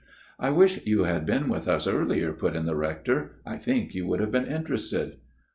" I wish you had been with us earlier," put in the Rector. " I think you would have been interested."